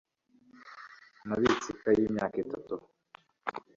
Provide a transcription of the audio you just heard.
Nabitse ikayi imyaka itatu.